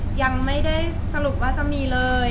ยังไม่ได้สรุปว่าจะมีเลย